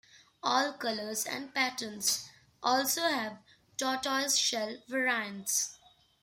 All colours and patterns also have tortoiseshell variants.